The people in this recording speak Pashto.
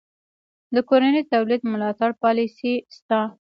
د کورني تولید ملاتړ پالیسي شته؟